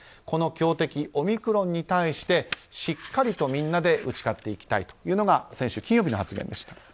この強敵オミクロンに対してしっかりと、みんなで打ち勝っていきたいというのが先週金曜日の発言でした。